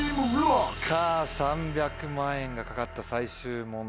さぁ３００万円が懸かった最終問題